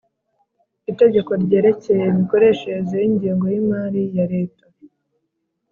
Itegeko ryerekeye imikoreshereze y ingengo y imari ya Leta